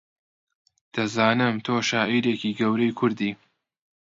دەزانم تۆ شاعیرێکی گەورەی کوردی